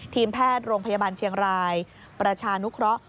ทีมแพทย์โรงพยาบาลเชียงรายประชานุเคราะห์